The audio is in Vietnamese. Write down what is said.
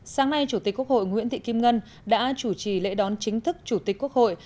sáng nay chủ tịch quốc hội nguyễn thị kim ngân đã chủ trì lễ đón chính thức chủ tịch quốc hội